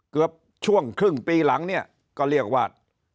เกือบช่วงครึ่งปีหลังเนี่ยก็เรียกว่า